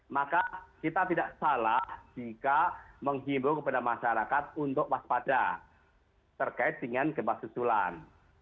maka kita tidak salah jika menghimbau kepada masyarakat untuk waspada terkait dengan gempa susulan